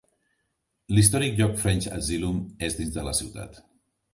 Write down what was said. L'històric lloc French Azilum és dins de la ciutat.